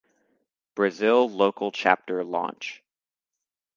Brazil Local Chapter launch.